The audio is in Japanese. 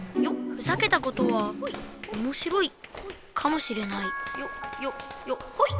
ふざけたことはおもしろいかもしれないほい！